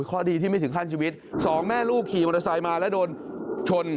เพราะดีที่ไม่ถึงขั้นชีวิตสองแม่ลูกขี่มอเตอร์ไซค์มาแล้วโดนชน